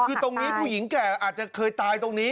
คือตรงนี้ผู้หญิงแก่อาจจะเคยตายตรงนี้